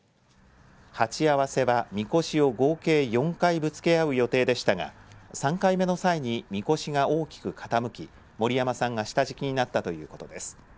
鉢合わせは、みこしを合計４回ぶつけ合う予定でしたが３回目の際にみこしが大きく傾き森山さんが下敷きになったということです。